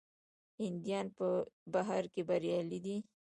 هندیان په بهر کې بریالي دي.